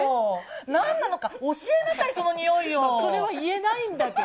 何なのか教えなさい、それは言えないんだけど。